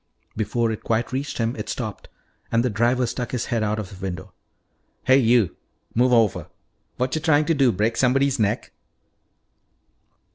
Before it quite reached him it stopped and the driver stuck his head out of the window. "Hey, you, move over! Whatya tryin' to do break somebody's neck?"